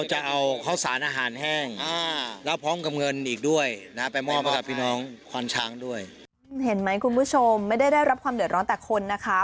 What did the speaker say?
เห็นไหมคุณผู้ชมไม่ได้ได้รับความเดือดร้อนแต่คนนะคะ